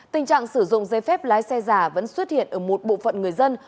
tình trạng sử dụng dây phép lái xe giả vẫn xuất hiện ở một bộ phận người dân